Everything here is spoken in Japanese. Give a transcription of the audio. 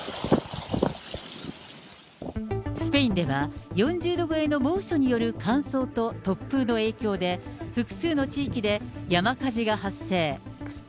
スペインでは４０度超えの猛暑による乾燥と突風の影響で、複数の地域で山火事が発生。